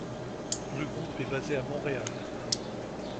Le groupe est basé à Montréal.